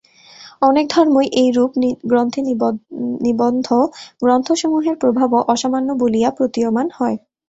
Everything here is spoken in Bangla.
অনেক ধর্মই এইরূপ গ্রন্থে নিবন্ধ, গ্রন্থসমূহের প্রভাবও অসামান্য বলিয়া প্রতীয়মান হয়।